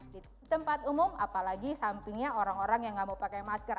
di tempat umum apalagi sampingnya orang orang yang nggak mau pakai masker